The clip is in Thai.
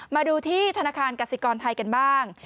มาดูที่ธนาคารกสิกรไทยกันบ้าง